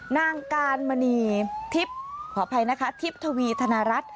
นางการมณีทิพย์ขออภัยนะคะทิพย์ทวีธนรัฐ